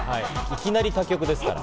いきなり他局ですから。